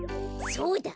そうだ！